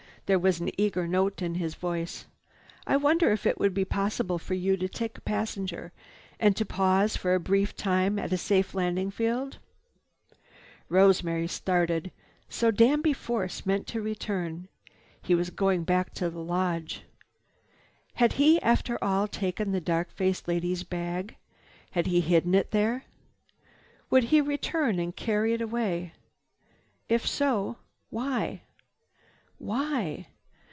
There was an eager note in his voice. "I wonder if it would be possible for you to take a passenger and to pause for a brief time at a safe landing field?" Rosemary started. So Danby Force meant to return. He was going back to the lodge. Had he, after all, taken the dark faced lady's bag? Had he hidden it there? Would he return and carry it away? If so, why? Why?